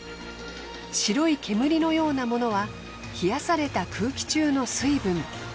白い煙のようなものは冷やされた空気中の水分。